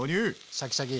シャキシャキ！